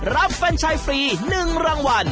รับแฟนชัยฟรี๑รางวัล